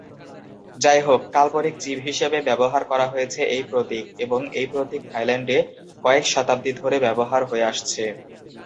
যাইহোক, কাল্পনিক জীব হিসেবে ব্যবহার করা হয়েছে এই প্রতীক, এবং এই প্রতীক থাইল্যান্ডে কয়েক শতাব্দী ধরে ব্যবহার হয়ে আসছে।